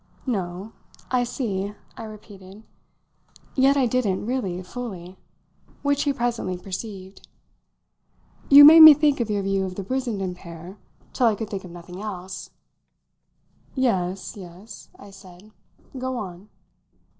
"No. I see," I repeated. Yet I didn't, really, fully; which he presently perceived. "You made me think of your view of the Brissenden pair till I could think of nothing else." "Yes yes," I said. "Go on."